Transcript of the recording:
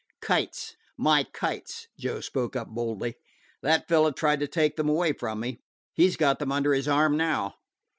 "Kites my kites," Joe spoke up boldly. "That fellow tried to take them away from me. He 's got them under his arm now."